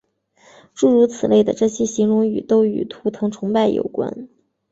诸如此类的这些形容语都与图腾崇拜有关。